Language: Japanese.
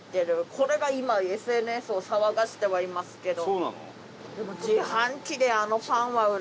これが今ＳＮＳを騒がしてはいますけど。